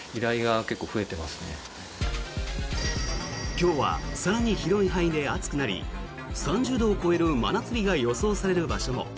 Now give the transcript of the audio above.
今日は更に広い範囲で暑くなり３０度を超える真夏日が予想される場所も。